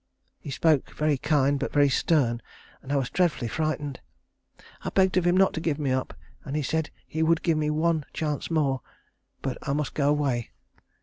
He spoke very kind but very stern, and I was dreadfully frightened. I begged of him not to give me up, and he said he would give me one chance more; but I must go away.